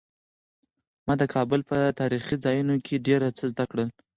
ما د کابل په تاریخي ځایونو کې ډېر څه زده کړل.